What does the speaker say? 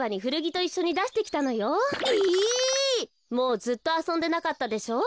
もうずっとあそんでなかったでしょ。